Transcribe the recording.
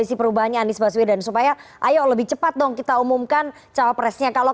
ini ada hal yang lebih besar kalau